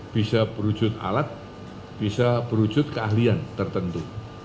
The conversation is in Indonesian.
bisa berwujud alat bisa berwujud keahlian tertentu